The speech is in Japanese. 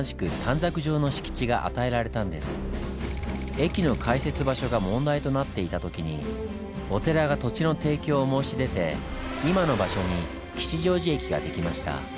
駅の開設場所が問題となっていた時にお寺が土地の提供を申し出て今の場所に吉祥寺駅が出来ました。